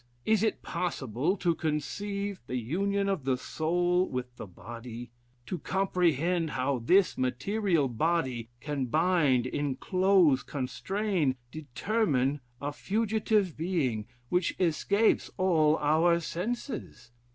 Is it possible to conceive the union of the soul with the body; to comprehend how this material body can bind, enclose, constrain, determine a fugitive being, which escapes all our senses?